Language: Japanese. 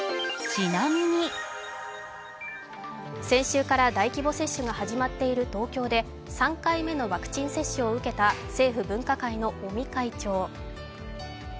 先週から大規模接種が始まっている東京で３回目のワクチン接種を受けた政府分科会の尾身会長。